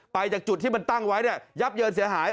จากจุดที่มันตั้งไว้เนี่ยยับเยินเสียหาย